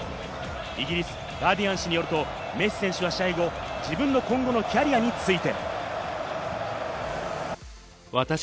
イギリス、ガーディアン紙によると、メッシ選手は試合後、自分の今後のキャリアについて。